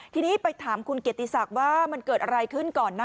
ทีนี้ไปถามคุณเกียรติศักดิ์ว่ามันเกิดอะไรขึ้นก่อนนะ